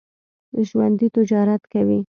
ژوندي تجارت کوي